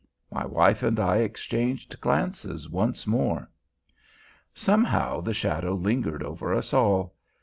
My wife and I exchanged glances once more. Somehow, the shadow lingered over us all.